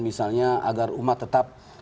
misalnya agar umat tetap